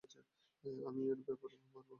আমি এইরূপ ব্যাপার বারবার হইতে দেখিয়াছি।